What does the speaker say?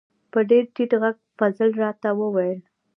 په ډیر ټیټ غږ فضل را ته و ویل: